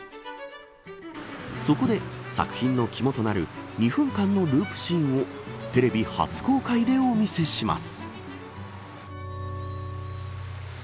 そこで作品の肝となる２分間のループシーンをテレビ初公開でお見せします。